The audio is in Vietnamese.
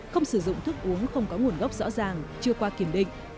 không sử dụng thức uống không có nguồn gốc rõ ràng chưa qua kiểm định